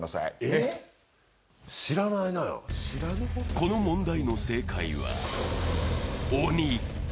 この問題の正解は、鬼。